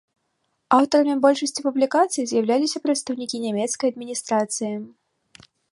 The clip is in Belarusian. Аўтарамі большасці публікацый з'яўляліся прадстаўнікі нямецкай адміністрацыі.